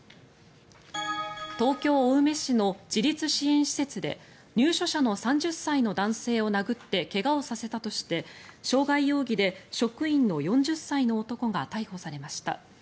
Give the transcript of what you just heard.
東京・青梅市の自立支援施設で入所者の３０歳の男性を殴って怪我をさせたとして傷害容疑で職員の４０歳の男が逮捕されました。